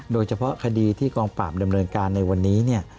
โดยเฉพาะคดีที่กองปราบดำเนินการในวันนี้เนี่ย